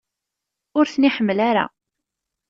Ur ten-iḥemmel ara?